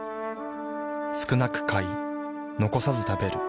少なく買い残さず食べる。